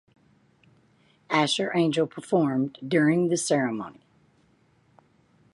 Asher Angel performed during the ceremony.